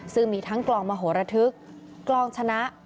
ซึ่งมีทั้งกลองมโหระทึกกลองชนะ